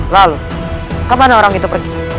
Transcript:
lalu kemana orang itu pergi